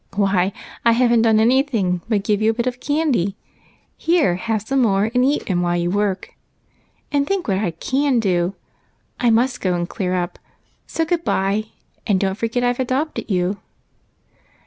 " Why, I have n't done any thing but given you a bit of candy ! Here, have some more, and eat 'em while you work, and think what I can do. I must go and clear up, so good by, and don't forget I've adopted you."